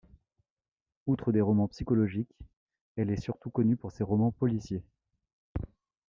Outre des romans psychologiques, elle est surtout connue pour ses romans policiers.